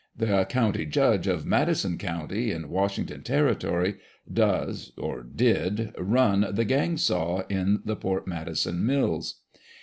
The county judge of Madison county, in Washington territory, does (or did) " run" the " gang saw" in the Port Madison mills.